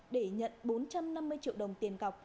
để nhận bốn trăm năm mươi triệu đồng tiền cọc